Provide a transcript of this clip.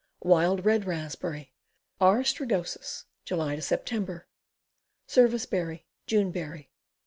Wild Red Raspberry. R. strigosus. July Sep. Service berry. June berry.